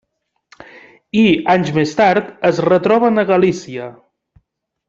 I, anys més tard, es retroben a Galícia.